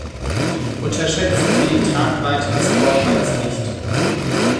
Unterschätzen Sie die Tragweite des Vorfalls nicht!